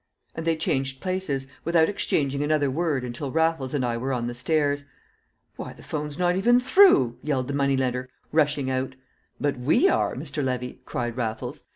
And they changed places, without exchanging another word until Raffles and I were on the stairs. "Why, the 'phone's not even through!" yelled the money lender, rushing out. "But we are, Mr. Levy!" cried Raffles.